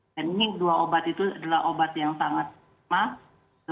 dan ini dua obat itu adalah obat yang sangat mahal